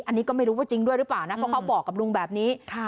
อันนี้ก็ไม่รู้ว่าจริงด้วยหรือเปล่านะเพราะเขาบอกกับลุงแบบนี้